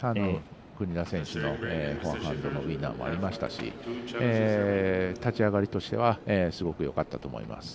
国枝選手のフォアハンドのウィナーもありましたし立ち上がりとしてはすごくよかったと思います。